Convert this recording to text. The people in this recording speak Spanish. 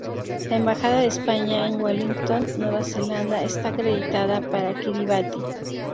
La embajada de España en Wellington, Nueva Zelanda, está acreditada para Kiribati.